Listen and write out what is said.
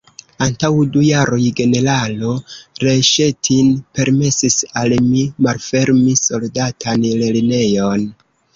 Antaŭ du jaroj generalo Reŝetin permesis al mi malfermi soldatan lernejon.